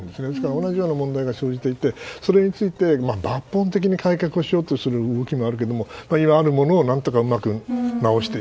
同じような問題が生じていてそれについて抜本的に解決しようとする動きもあるけれども今あるものを何とか直して。